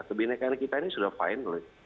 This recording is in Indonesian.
kebinekaan kita ini sudah finally